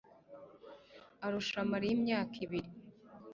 arusha mariya imyaka ibiri